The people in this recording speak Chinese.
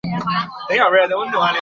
经由轨道科学公司所建造。